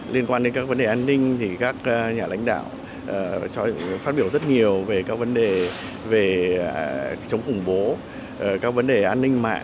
liên quan đến các vấn đề an ninh thì các nhà lãnh đạo phát biểu rất nhiều về các vấn đề về chống khủng bố các vấn đề an ninh mạng